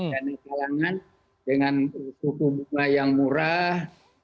dana kalangan dengan suku bunga yang murah